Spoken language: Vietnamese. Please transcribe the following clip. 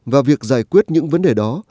và việc giải quyết những vấn đề đó